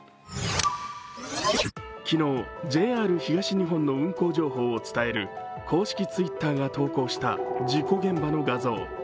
昨日、ＪＲ東日本の運行情報を伝える公式Ｔｗｉｔｔｅｒが投稿した事故現場の画像。